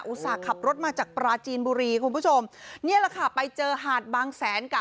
ส่าห์ขับรถมาจากปราจีนบุรีคุณผู้ชมนี่แหละค่ะไปเจอหาดบางแสนกับ